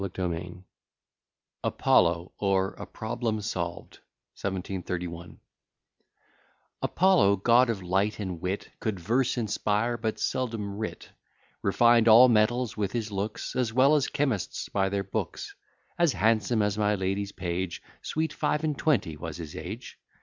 _] APOLLO; OR, A PROBLEM SOLVED 1731 Apollo, god of light and wit, Could verse inspire, but seldom writ, Refined all metals with his looks, As well as chemists by their books; As handsome as my lady's page; Sweet five and twenty was his age.